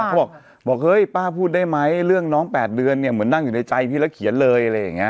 เขาบอกบอกเฮ้ยป้าพูดได้ไหมเรื่องน้อง๘เดือนเนี่ยเหมือนนั่งอยู่ในใจพี่แล้วเขียนเลยอะไรอย่างนี้